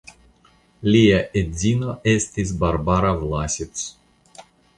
Lia edzino estis Barbara Vlasits.